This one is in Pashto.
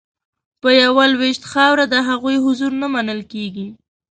په یوه لوېشت خاوره د هغوی حضور نه منل کیږي